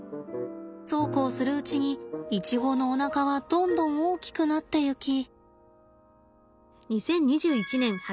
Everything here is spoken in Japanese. そうこうするうちにイチゴのおなかはどんどん大きくなっていき。